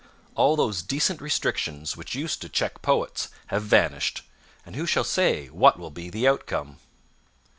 All those decent restrictions which used to check poets have vanished, and who shall say what will be the outcome?